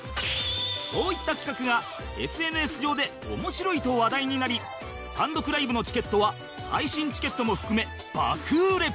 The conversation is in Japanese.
そういった企画が ＳＮＳ 上で面白いと話題になり単独ライブのチケットは配信チケットも含め爆売れ